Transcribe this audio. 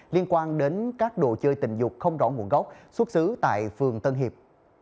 liên quan đến các đồ chơi tình dục không rõ nguồn gốc xuất xứ tại phường tân hiệp